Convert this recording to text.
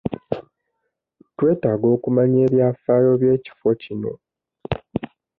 Twetaaga okumanya ebyafaayo by'ekifo kino.